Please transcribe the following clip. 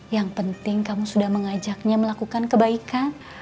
yang penting kamu sudah mengajaknya melakukan kebaikan